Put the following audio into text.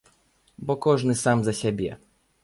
Бо кожны сам за сябе.